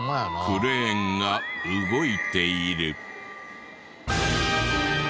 クレーンが動いている。